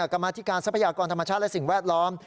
กรรมาธิการทรัพยากรธรรมชาติและสิ่งแวดล้อม